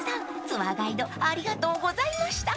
ツアーガイドありがとうございました］